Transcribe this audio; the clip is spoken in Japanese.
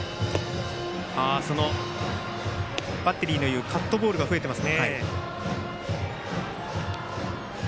バッテリーの言うカットボールが増えています。